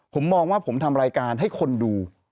ผมมองว่าผมทำรายการให้คนดู